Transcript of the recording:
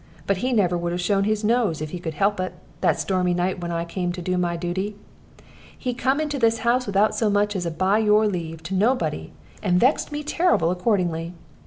But he never would have shown his nose, if he could help it, that stormy night when I come to do my duty. He come into this house without so much as a 'by your leave' to nobody, and vexed me terrible accordingly.